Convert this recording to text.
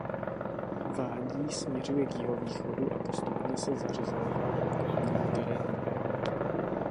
Vádí směřuje k jihovýchodu a postupně se zařezává do okolního terénu.